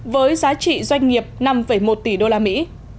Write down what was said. với giá trị doanh nghiệp năm một tỷ đô la mỹ